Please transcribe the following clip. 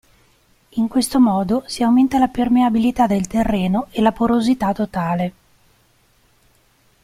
In questo modo si aumenta la permeabilità del terreno e la porosità totale.